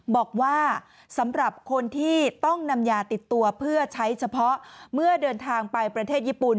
บอกว่าสำหรับคนที่ต้องนำยาติดตัวเพื่อใช้เฉพาะเมื่อเดินทางไปประเทศญี่ปุ่น